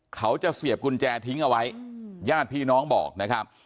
เสียบกุญแจทิ้งเอาไว้ญาติพี่น้องบอกนะครับ